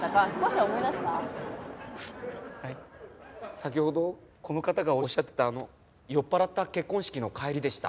先ほどこの方がおっしゃってた酔っ払った結婚式の帰りでした。